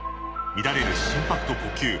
乱れる心拍と呼吸。